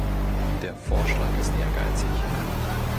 Der Vorschlag ist ehrgeizig.